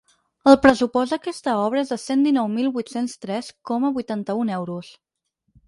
El pressupost d’aquesta obra és de cent dinou mil vuit-cents tres coma vuitanta-un euros.